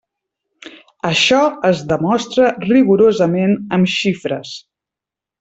Això es demostra rigorosament amb xifres.